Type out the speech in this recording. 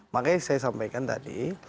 makanya saya sampaikan tadi